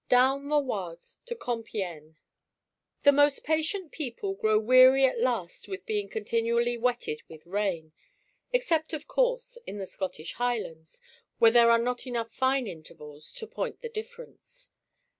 DOWN THE OISE: TO COMPIÈGNE THE most patient people grow weary at last with being continually wetted with rain; except of course in the Scottish Highlands, where there are not enough fine intervals to point the difference.